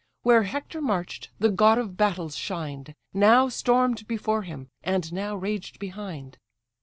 Where Hector march'd, the god of battles shined, Now storm'd before him, and now raged behind.